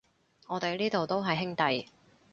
我哋呢度都係兄弟